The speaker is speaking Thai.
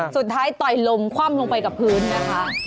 ต่อยลมคว่ำลงไปกับพื้นนะคะ